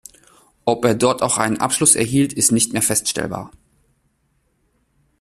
Ob er dort auch einen Abschluss erhielt, ist nicht mehr feststellbar.